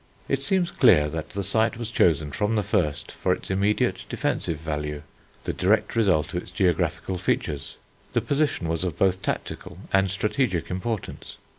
It seems clear that the site was chosen from the first for its immediate defensive value, the direct result of its geographical features. The position was of both tactical and strategic importance.